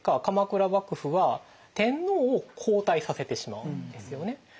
鎌倉幕府は天皇を交代させてしまうんですよね。